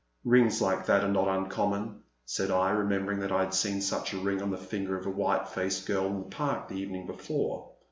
Rings like that are not uncommon," said I, remembering that I had seen such a ring on the finger of the white faced girl in the Park the evening before.